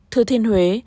thưa thiên huế